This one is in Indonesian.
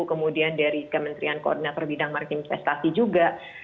kemudian dari kementerian koordinator bidang markimistasi juga